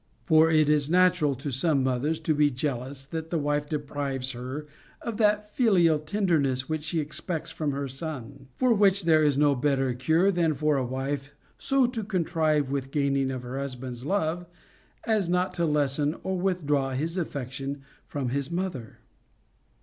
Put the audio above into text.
For it is natural to some mothers to be jealous that the wife deprives her of that filial tenderness which she expects from her son. For which there is no better cure than for a wife so to contrive the gaining of her hus band's love as not to lessen or withdraw his affection from his mother.